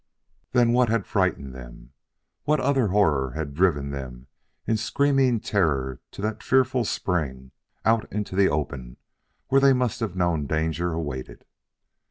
Then what had frightened them? What other horror had driven them in screaming terror to that fearful spring out into the open where they must have known danger awaited?